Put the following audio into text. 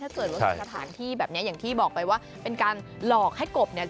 เกิดว่าสถานที่แบบเนี้ยอย่างที่บอกไปว่าเป็นการหลอกให้กบเนี่ย